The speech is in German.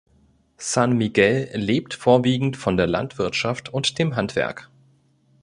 San Miguel lebt vorwiegend von der Landwirtschaft und dem Handwerk.